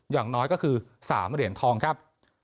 อย่างน้อยก็คือ๓เหรียญทองครับ